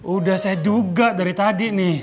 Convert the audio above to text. udah saya duga dari tadi nih